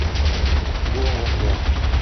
Бу аңлашыла.